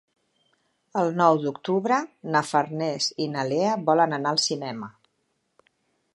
El nou d'octubre na Farners i na Lea volen anar al cinema.